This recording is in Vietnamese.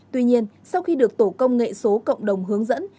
tuy nhiên sau khi được tổ công nghệ số cộng đồng hướng dẫn